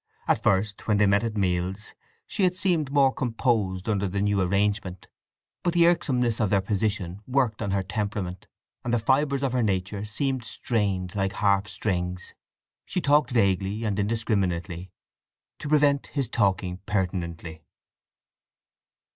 At first, when they met at meals, she had seemed more composed under the new arrangement; but the irksomeness of their position worked on her temperament, and the fibres of her nature seemed strained like harp strings. She talked vaguely and indiscriminately to prevent his talking pertinently.